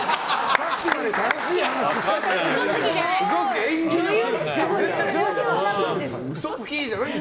さっきまで楽しい話してたじゃん！